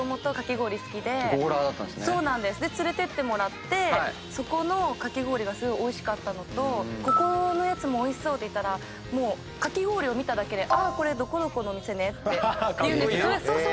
連れていってもらってそこのかき氷がおいしかったのとここのやつもおいしそうって言ったらかき氷を見ただけで「これどこどこの店ね」って言うんです。